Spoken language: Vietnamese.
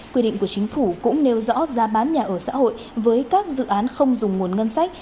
quy định của chính phủ cũng nêu rõ giá bán nhà ở xã hội với các dự án không dùng nguồn ngân sách